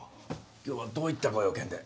今日はどういったご用件で？